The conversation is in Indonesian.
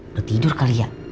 udah tidur kali ya